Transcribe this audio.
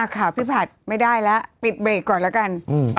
ข่าวพี่ผัดไม่ได้แล้วปิดเบรกก่อนแล้วกัน